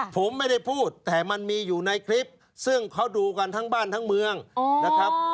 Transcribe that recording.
ผมไม่ได้พูดแต่มันมีอยู่ในคลิปซึ่งเขาดูกันทั้งบ้านทั้งเมืองนะครับ